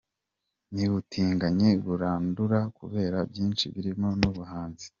N’ubutinganyi burandura kubera byinshi birimo n’ubuhanzi.